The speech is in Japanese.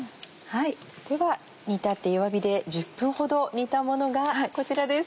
では煮立って弱火で１０分ほど煮たものがこちらです。